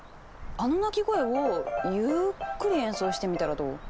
あの鳴き声をゆっくり演奏してみたらどう？